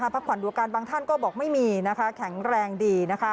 พักผ่อนดูอาการบางท่านก็บอกไม่มีแข็งแรงดี